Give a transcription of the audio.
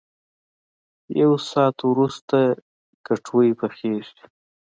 یو ساعت ورست کټوۍ پخېږي.